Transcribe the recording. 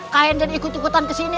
kain dan ikut ikutan kesini